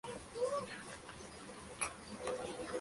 Giles sugiere que puede ser una criatura invisible o un fantasma.